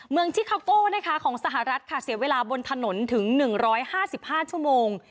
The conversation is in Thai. เมืองที่คาโก้ของสหรัฐเสียเวลาบนถนนถึง๑๕๕ชั่วโมง